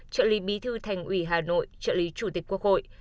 trợ lý bí thư thành ủy hà nội trợ lý chủ tịch quốc hội